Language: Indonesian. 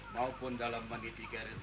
maupun dalam mandi tiga ren nanti